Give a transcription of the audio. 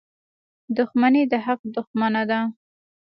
• دښمني د حق دښمنه ده.